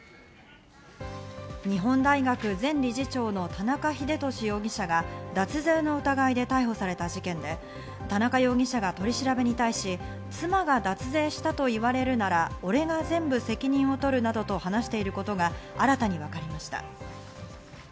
日本大学前理事長の田中英壽容疑者が、脱税の疑いで逮捕された事件で、田中容疑者が取り調べに対し、妻が脱税したと言われるなら、俺が全部責任を取るなどと話していることが新たに分かりました。